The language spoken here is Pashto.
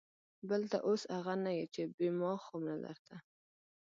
بل ته اوس اغه نه يې چې بې ما خوب نه درته.